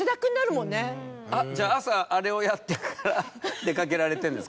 じゃあ朝あれをやってから出かけられてるんですか？